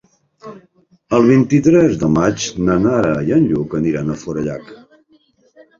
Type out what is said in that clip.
El vint-i-tres de maig na Nara i en Lluc aniran a Forallac.